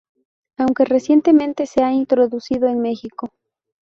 Aunque recientemente se ha introducido en Mexico.